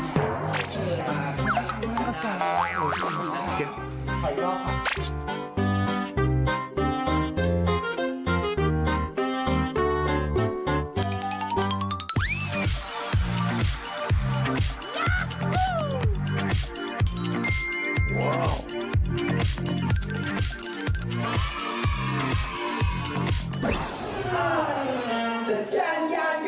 พอดีหลับกัน